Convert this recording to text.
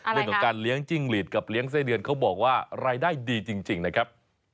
เรื่องของการเลี้ยงจิ้งหลีดกับเลี้ยงไส้เดือนเขาบอกว่ารายได้ดีจริงนะครับ